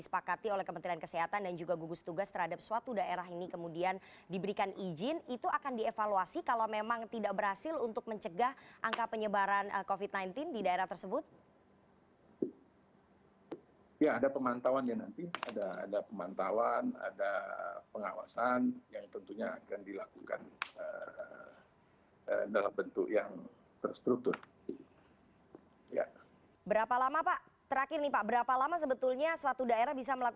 pembatasan sosial berskala besar